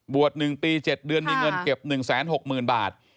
บวช๑ปี๗เดือนมีเงินเก็บ๑แสน๖หมื่นบาท